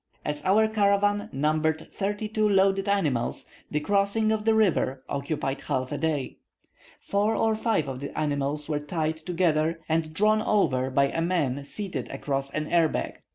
As our caravan numbered thirty two loaded animals, the crossing of the river occupied half a day. Four or five of the animals were tied together and drawn over by a man seated across an air bag.